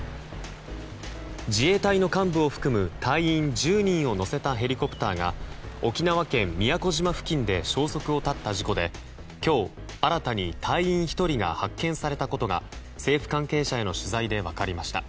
自衛隊の幹部を含む隊員１０人を乗せたヘリコプターが沖縄県宮古島付近で消息を絶った事故で今日、新たに隊員１人が発見されたことが政府関係者への取材で分かりました。